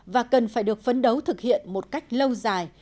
và cần phải được phấn đấu thực hiện một cách lâu dài